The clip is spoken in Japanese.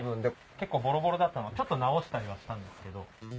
結構ボロボロだったのをちょっと直したりはしたんですけど。